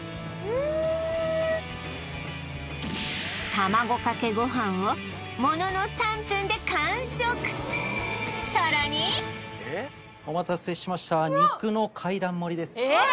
卵かけご飯をものの３分で完食お待たせしましたええ！